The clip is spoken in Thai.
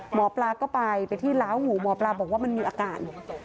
หมอปลาก็ไปไปที่ล้าวหูหมอปลาบอกว่ามันมีอาการ